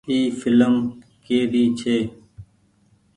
اي ڦلم ڪي ري ڇي۔